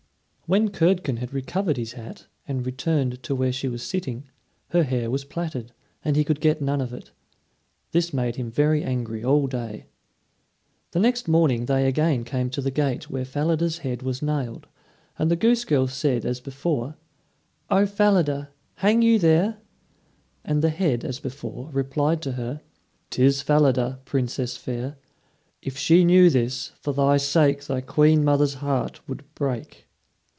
When Curdken had recovered his hat and returned to where she was sitting, her hair was plaited, and he could get none of it. This made him very angry all day. The next morning they again came to the gate where Falada's head was nailed, and the goose girl said as before: "O Falada, hang you there?" And the head as before replied to her: "'Tis Falada, Princess fair. If she knew this, for thy sake Thy queen mother's heart would break."